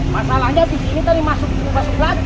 masalahnya di sini tadi masuk pintu masuk lagi